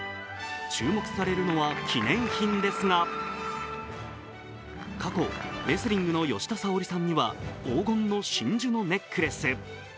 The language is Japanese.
注目されるのは記念品ですが過去、レスリングの吉田沙保里さんには黄金の真珠のネックレス。